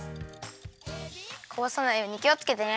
こぼさないようにきをつけてね。